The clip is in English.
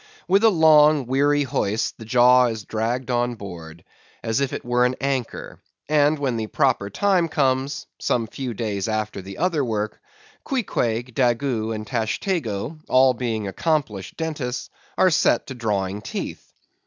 With a long, weary hoist the jaw is dragged on board, as if it were an anchor; and when the proper time comes—some few days after the other work—Queequeg, Daggoo, and Tashtego, being all accomplished dentists, are set to drawing teeth.